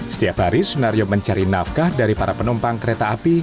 setiap hari sunario mencari nafkah dari para penumpang kereta api